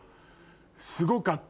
すごかった